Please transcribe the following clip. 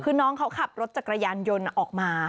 คือน้องเขาขับรถจักรยานยนต์ออกมา